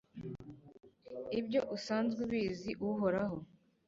ibyo usanzwe ubizi Uhoraho